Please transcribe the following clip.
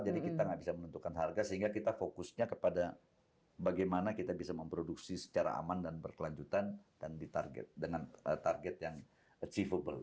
jadi kita tidak bisa menentukan harga sehingga kita fokusnya kepada bagaimana kita bisa memproduksi secara aman dan berkelanjutan dan dengan target yang achievable